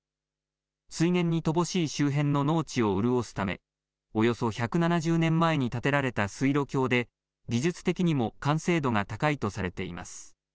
水源に乏しい農地を潤すため、およそ１７０年前に建てられた水路橋で、技術的にも完成度が高いとされています。